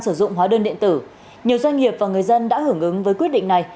sử dụng hóa đơn điện tử nhiều doanh nghiệp và người dân đã hưởng ứng với quyết định này